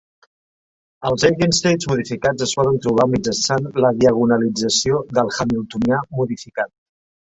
Els eigenstates modificats es poden trobar mitjançant la diagonalització del hamiltonià modificat.